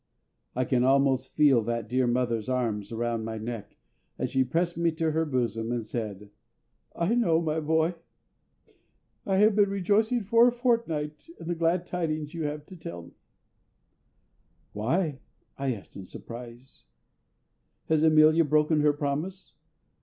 I can almost feel that dear mother's arms around my neck, as she pressed me to her bosom and said, "I know, my boy; I have been rejoicing for a fortnight in the glad tidings you have to tell me." "Why," I asked in surprise, "has Amelia broken her promise?